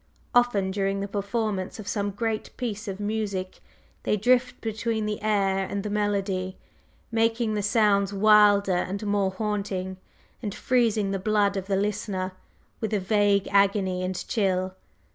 Often during the performance of some great piece of music they drift between the air and the melody, making the sounds wilder and more haunting, and freezing the blood of the listener with a vague agony and chill.